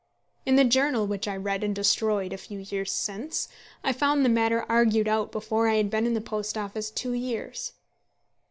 In the journal which I read and destroyed a few years since, I found the matter argued out before I had been in the Post Office two years.